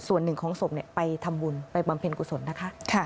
ส่วนหนึ่งของศพไปทำบุญไปบำเพ็ญกุศลนะคะ